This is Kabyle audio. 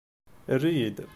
Err-iyi-d.